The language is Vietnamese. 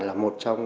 là một trong